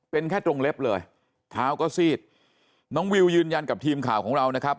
เป็นแค่ตรงเล็บเลยเท้าก็ซีดน้องวิวยืนยันกับทีมข่าวของเรานะครับ